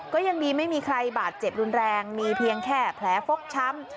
ก็ยังดีไม่มีใครบาดเจ็บรุนแรงมีเพียงแค่แผลฟกช้ำ